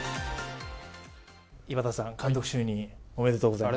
井端さん、監督就任、おめでとうございます。